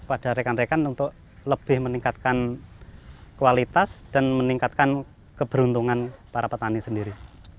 kepada rekan rekan untuk lebih meningkatkan kualitas dan meningkatkan keberuntungan para petani sendiri